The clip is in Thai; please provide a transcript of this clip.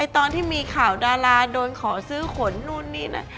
ตอนที่มีข่าวดาราโดนขอซื้อขนนู่นนี่นั่น